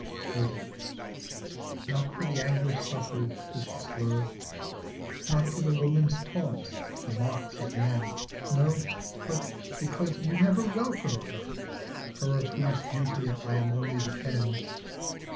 33 XXX. NOT for the anguish suffered is the slur, Not for the woman's taunts, the mocks of men ; No, but because you never welcomed her, Her of whose beauty I am only the pen.